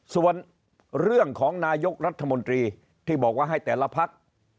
ส่วนเรื่องของนายกรัฐมนตรีที่บอกว่าให้แต่ละพัก